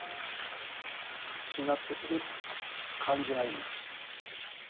しなっとする感じがいいな。